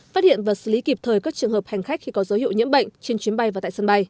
phát hiện và xử lý kịp thời các trường hợp hành khách khi có dấu hiệu nhiễm bệnh trên chuyến bay và tại sân bay